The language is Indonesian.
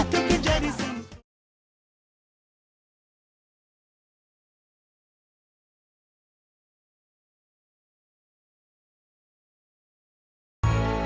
terus terus terus